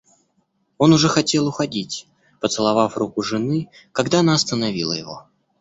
Он уже хотел уходить, поцеловав руку жены, когда она остановила его.